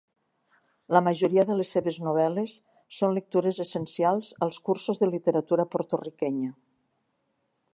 La majoria de les seves novel·les són lectures essencials als cursos de literatura porto-riquenya.